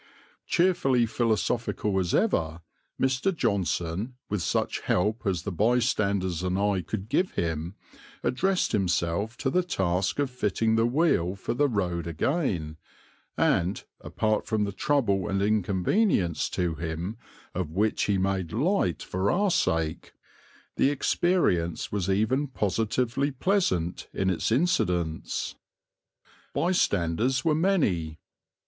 Cheerfully philosophical as ever, Mr. Johnson, with such help as the bystanders and I could give him, addressed himself to the task of fitting the wheel for the road again and, apart from the trouble and inconvenience to him, of which he made light for our sake, the experience was even positively pleasant in its incidents. Bystanders were many.